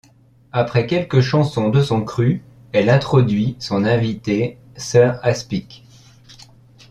Après quelques chansons de son cru, elle introduit son invité : Sir Aspic.